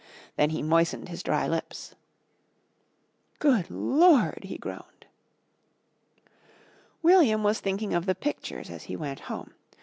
Then he moistened his dry lips. "Good Lord," he groaned. William was thinking of the pictures as he went home.